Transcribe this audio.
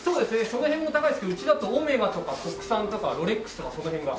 その辺も高いですけどうちだとオメガとか国産とかロレックスとかその辺が。